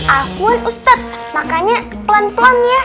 akun ustadz makanya pelan pelan ya